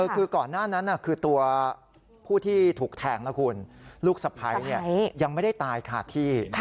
คือก่อนหน้านั้นคือตัวผู้ที่ถูกแทงนะคุณลูกสะพ้ายยังไม่ได้ตายขาดที่